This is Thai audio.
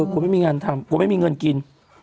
กลัวไม่มีงานทำกลัวไม่มีเงินกิน